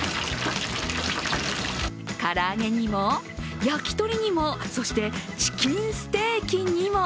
唐揚げにも、焼き鳥にもそしてチキンステーキにも。